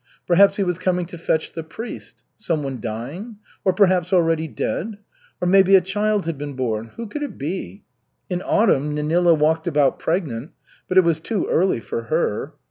Perhaps he was coming to fetch the priest. Someone dying, or, perhaps, already dead? Or maybe a child had been born? Who could it be? In autumn Nenila walked about pregnant, but it was too early for her.